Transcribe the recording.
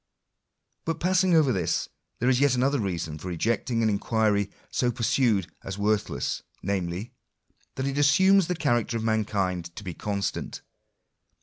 But passing over this, there is yet another reason for rejecting an inquiry so pursued as worthless; namely, that it assumes the character of mankind to he constant.